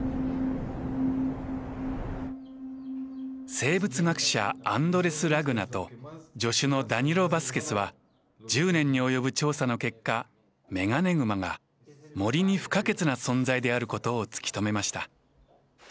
生物学者アンドレス・ラグナと助手のダニロ・バスケスは１０年に及ぶ調査の結果メガネグマが森に不可欠な存在であることを突き止めました。